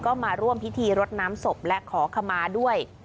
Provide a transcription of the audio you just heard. ก็มาร่วมพิธีรดน้ำศพและขอขมาด้วย